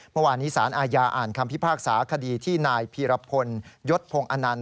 เมื่อวานนี้สารอาญาอ่านคำพิพากษาคดีที่นายพีรพลยศพงศ์อนันต